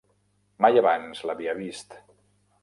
Mai abans l'havia vist.